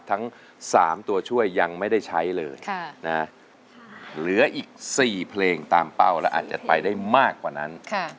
ทั้ง๓ตัวช่วยยังไม่ได้ใช้เลยนะเหลืออีก๔เพลงตามเป้าแล้วอาจจะไปได้มากกว่านั้น